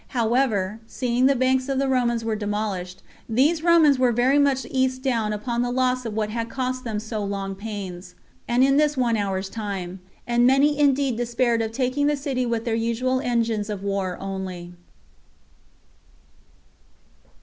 However, seeing the banks of the Romans were demolished, these Romans were very much cast down upon the loss of what had cost them so long pains, and this in one hour's time. And many indeed despaired of taking the city with their usual engines of war only.